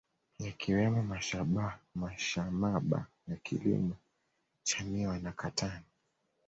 Yakiwemo mashamaba ya kilimo cha miwa na katani